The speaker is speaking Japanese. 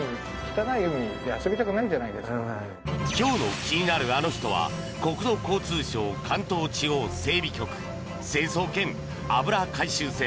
今日の気になるアノ人は国土交通省関東地方整備局清掃兼油回収船